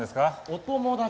お友達？